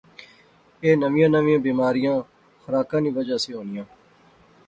اے نویاں نویاں بیماریاں خراکا نی وجہ سی ہونیاں